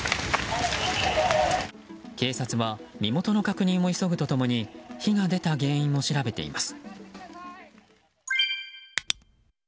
警察は身元の確認を急ぐと共に火が出た原因を調べています。